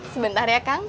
sebentar ya kang